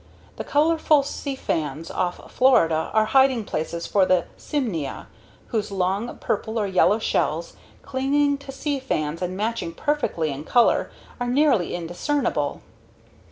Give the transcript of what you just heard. The colorful seafans off Florida are hiding places for the SIMNIA whose long purple or yellow shells, clinging to sea fans and matching perfectly in color, are nearly indiscernible.